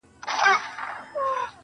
قربان د عِشق تر لمبو سم، باید ومي سوځي.